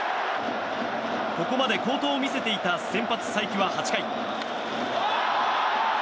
ここまで好投を見せていた先発、才木は８回。